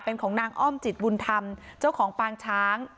เป็นของนางอ้อมจิตบุญธรรมเจ้าของปางช้าง